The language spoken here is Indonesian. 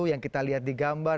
yang kita lihat di gambar